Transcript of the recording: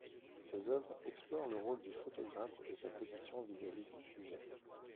Ses œuvres explorent le rôle du photographe et sa position vis-à-vis du sujet.